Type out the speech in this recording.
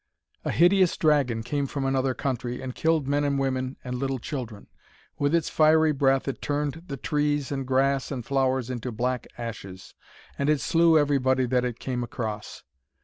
A hideous dragon came from another country, and killed men and women and little children. With its fiery breath it turned the trees and grass and flowers into black ashes, and it slew everybody that it came across.